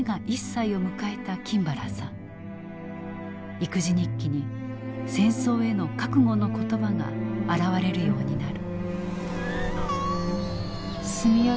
育児日記に戦争への覚悟の言葉が現れるようになる。